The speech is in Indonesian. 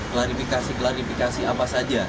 klarifikasi klarifikasi apa saja